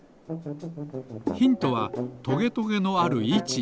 ヒントはトゲトゲのあるいち。